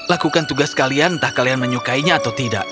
lakukan tugas kalian entah kalian menyukainya atau tidak